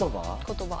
言葉。